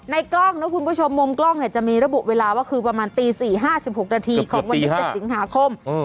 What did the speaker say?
กล้องนะคุณผู้ชมมุมกล้องเนี่ยจะมีระบุเวลาว่าคือประมาณตี๔๕๖นาทีของวันที่๑๗สิงหาคม